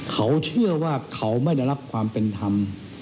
เขาเชื่อว่าเขาไม่ได้รับความเป็นธรรม